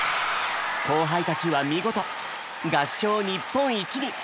後輩たちは見事合唱日本一に！